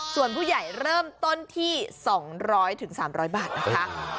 ส่วนผู้ใหญ่เริ่มต้นที่๒๐๐๓๐๐บาทนะคะ